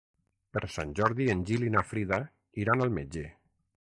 Per Sant Jordi en Gil i na Frida iran al metge.